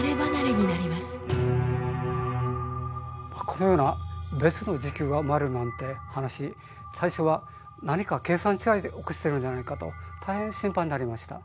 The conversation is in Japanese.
このような別の時空が生まれるなんて話最初は何か計算違いで起こしてるんじゃないかと大変心配になりました。